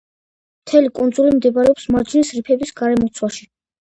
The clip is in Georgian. მთელი კუნძული მდებარეობს მარჯნის რიფების გარემოცვაში.